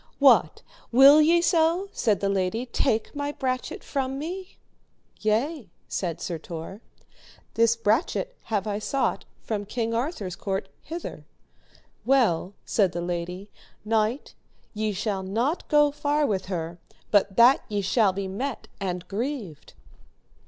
What, will ye so, said the lady, take my brachet from me? Yea, said Sir Tor, this brachet have I sought from King Arthur's court hither. Well, said the lady, knight, ye shall not go far with her, but that ye shall be met and grieved.